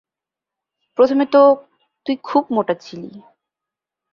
প্রথমে তো তুই খুব মোটা ছিলি।